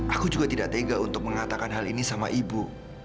aku juga tidak tega untuk mengatakan hal ini sama ibu